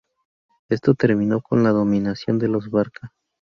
Esto terminó con la dominación de los Barca.